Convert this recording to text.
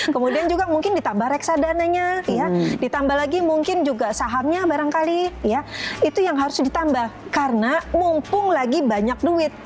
kemudian juga mungkin ditambah reksadananya ditambah lagi mungkin juga sahamnya barangkali ya itu yang harus ditambah karena mumpung lagi banyak duit